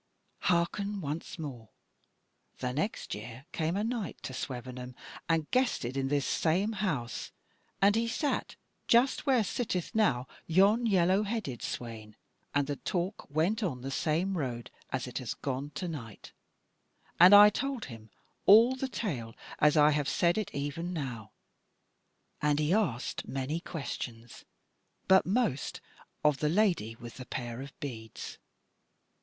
"'Hearken once more: the next year came a knight to Swevenham, and guested in this same house, and he sat just where sitteth now yon yellow headed swain, and the talk went on the same road as it hath gone to night; and I told him all the tale as I have said it e'en now; and he asked many questions, but most of the Lady with the pair of beads.